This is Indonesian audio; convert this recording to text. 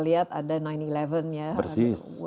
lihat ada sembilan sebelas ya persis